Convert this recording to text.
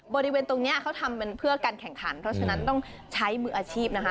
บริเวณตรงนี้เขาทำเป็นเพื่อการแข่งขันเพราะฉะนั้นต้องใช้มืออาชีพนะคะ